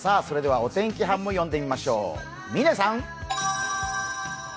それではお天気班も呼んでみましょう、嶺さん。